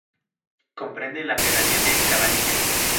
Comprende la pedanía de Cabanillas.